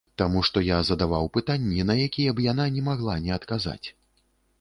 Таму што я задаваў пытанні, на якія б яна не магла не адказаць.